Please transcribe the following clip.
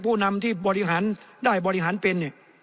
ผู้นำที่ได้บริหารเป็น